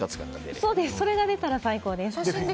それが出たら最高です。